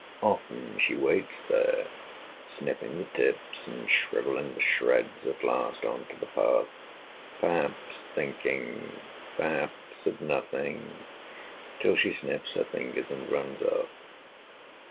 Often she waits there, snipping the tips and shrivelling The shreds at last on to the path, perhaps Thinking, perhaps of nothing, till she sniffs Her fingers and runs off.